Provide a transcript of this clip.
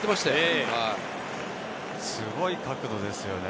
すごい角度ですよね、